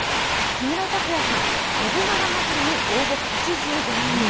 木村拓哉さん、信長まつりに応募８５万人。